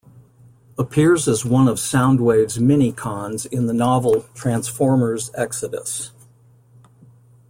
Appears as one of Soundwave's Mini-Cons in the novel "Transformers: Exodus".